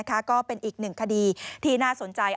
ก็เป็นอีกหนึ่งคดีที่น่าสนใจ